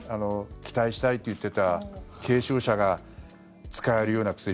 期待したいと言っていた軽症者が使えるような薬。